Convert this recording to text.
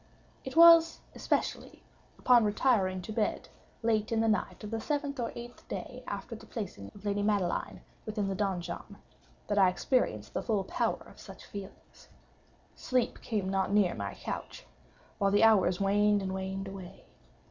It was, especially, upon retiring to bed late in the night of the seventh or eighth day after the placing of the lady Madeline within the donjon, that I experienced the full power of such feelings. Sleep came not near my couch—while the hours waned and waned away.